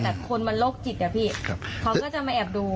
แต่คนมันโรคจิตอะพี่เขาก็จะมาแอบดู